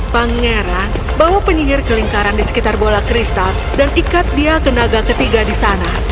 pangeran bawa penyihir ke lingkaran di sekitar bola kristal dan ikat dia ke naga ketiga di sana